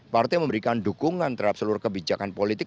partai memberikan dukungan terhadap seluruh kebijakan politik